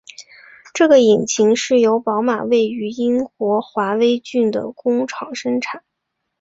这个引擎是由宝马位于英国华威郡的工厂生产。